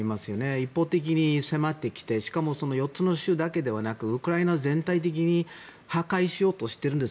一方的に迫ってきてしかも４つの州だけではなくウクライナ全体的に破壊しようとしているんです。